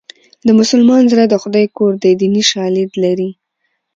د مسلمان زړه د خدای کور دی دیني شالید لري